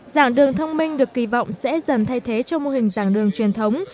giảng đường thông minh được kỳ vọng sẽ dần thay thế cho mô hình giảng đường truyền thống